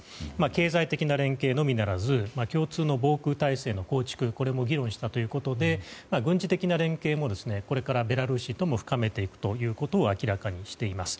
経済的な連携のみならず共通の防空体制の構築、これも議論したということで軍事的な連携もこれからベラルーシと深めていくということを明らかにしています。